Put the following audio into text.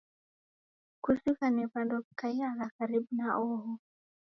Kuzighane w'andu wi'kaiagha karibu na oho